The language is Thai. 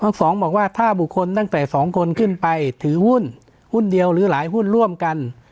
สองบอกว่าถ้าบุคคลตั้งแต่๒คนขึ้นไปถือหุ้นหุ้นเดียวหรือหลายหุ้นร่วมกัน